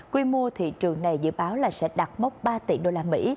quy mô thị trường này dự báo là sẽ đạt mốc ba tỷ usd